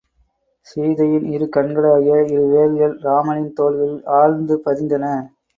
சீதையின் இரு கண்களாகிய இரு வேல்கள் இராமனின் தோள்களில் ஆழ்ந்து பதிந்தன.